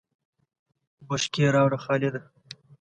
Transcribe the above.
بشکی راوړه خالده !